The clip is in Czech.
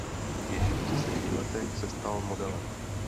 Již v deseti letech se stal modelem.